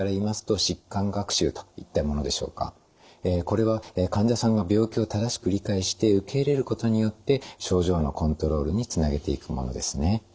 これは患者さんが病気を正しく理解して受け入れることによって症状のコントロールにつなげていくものですね。